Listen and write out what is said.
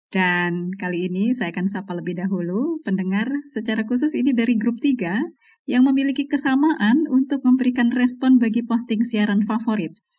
dan kali ini saya akan sapa lebih dahulu pendengar secara khusus ini dari grup tiga yang memiliki kesamaan untuk memberikan respon bagi posting siaran favorit